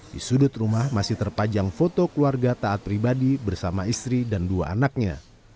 di sudut rumah masih terpajang foto keluarga taat pribadi bersama istri dan dua anaknya